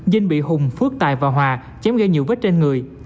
dinh bị hùng phước tài và hòa chém gây nhiều vết trên người